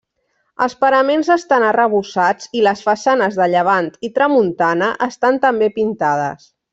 Els paraments estan arrebossats i les façanes de llevant i tramuntana estan també pintades.